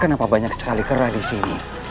kenapa banyak sekali kerah di sini